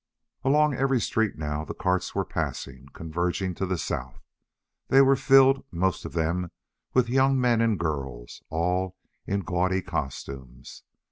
Along every street now the carts were passing, converging to the south. They were filled, most of them, with young men and girls, all in gaudy costumes.